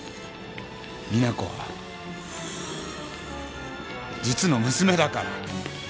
実那子は実の娘だから！